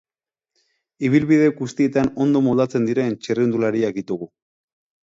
Ibilbide guztietan ondo moldatzen diren txirrindulariak ditugu.